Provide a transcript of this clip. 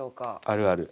あるある。